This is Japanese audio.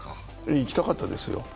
行きたかったですよ。